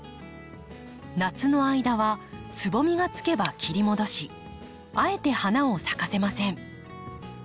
夏の間はつぼみがつけば切り戻しあえて花を咲かせません。